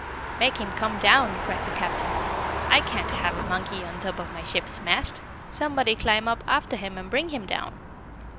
"Make him come down!" cried the captain. "I can't have a monkey on top of my ship's mast! Somebody climb up after him and bring him down."